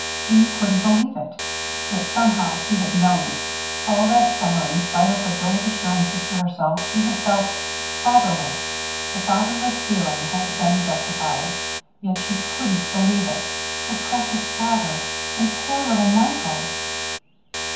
Jeanne couldn't believe it. Yet, somehow, she had known it. All that summer, in spite of her brave assurances to herself, she had felt fatherless. The fatherless feeling had been justified. Yet she couldn't believe it. Her precious father and poor little Michael!